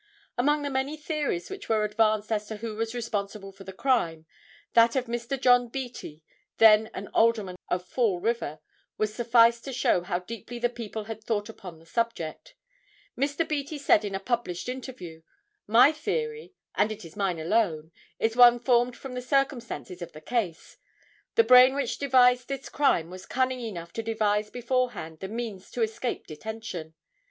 ] Among the many theories which were advanced as to who was responsible for the crime, that of Mr. John Beattie, then an Alderman of Fall River, will suffice to show how deeply the people had thought upon the subject. Mr. Beattie said in a published interview: "My theory—and it is mine alone—is one formed from the circumstances of the case. The brain which devised this crime was cunning enough to devise beforehand, the means to escape detention.